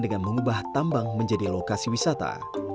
dengan mengubah tambang menjadi lokasi wisata